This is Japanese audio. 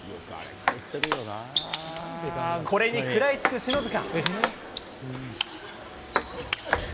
これに食らいつく篠塚。